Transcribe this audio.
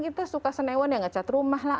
kita suka senewan yang ngecat rumah lah